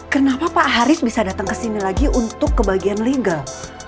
kenapa pak haris bisa datang kesini lagi untuk ke bagian legal